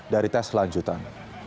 dari tes selanjutan